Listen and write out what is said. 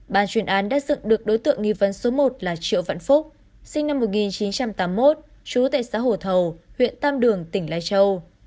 ban chuyên án đã dựng được đối tượng nghi vấn số một là triệu vạn phúc sinh năm một nghìn chín trăm tám mươi một trú tại xã hồ thầu huyện tam đường tỉnh lai châu